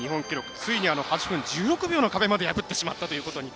ついに、８分１６秒の壁まで破ってしまったということに。